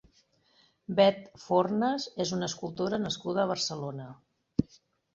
Beth Fornas és una escultora nascuda a Barcelona.